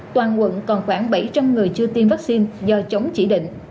toàn quận còn khoảng bảy trăm linh người chưa tiêm vaccine do chống chỉ định